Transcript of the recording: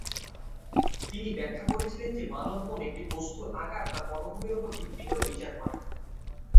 তিনি ব্যাখ্যা করেছিলেন যে মানব মন একটি বস্তুর আকার তার পটভূমির উপর ভিত্তি করে বিচার করে।